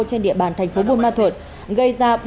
trên địa bàn thành phố buôn ma thuột gây ra